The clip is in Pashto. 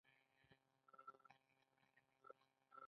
آیا د پښتنو په کلتور کې د شهیدانو ورځ نه لمانځل کیږي؟